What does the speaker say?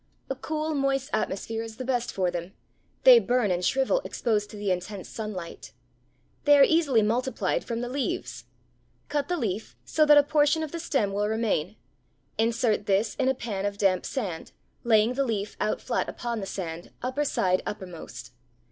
A cool, moist atmosphere is the best for them; they burn and shrivel exposed to the intense sunlight. They are easily multiplied from the leaves. Cut the leaf so that a small portion of the stem will remain, insert this in a pan of damp sand, laying the leaf out flat upon the sand, upper side uppermost.